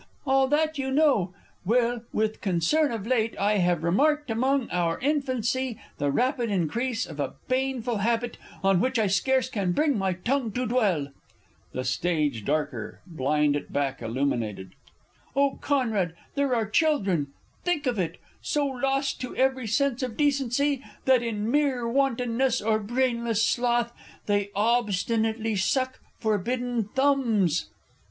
All that you know. Well; with concern of late, I have remarked among our infancy The rapid increase of a baneful habit On which I scarce can bring my tongue to dwell. [The Stage darker; blind at back illuminated. Oh, Conrad, there are children think of it! So lost to every sense of decency That, in mere wantonness or brainless sloth, They obstinately suck forbidden thumbs!